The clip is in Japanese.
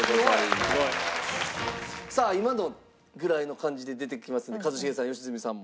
さあ今のぐらいの感じで出てきますんで一茂さん良純さんも。